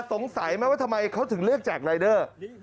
สงสัยไหมว่าทำไมเขาถึงเลือกแจกรายเดอร์